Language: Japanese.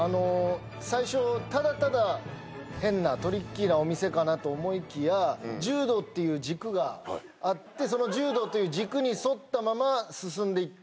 最初ただただ変なトリッキーなお店かなと思いきや柔道っていう軸があってその柔道という軸に沿ったまま進んでいって。